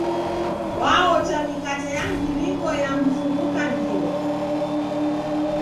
W'aocha mikate ya mviringo ya mfu ghukandiro.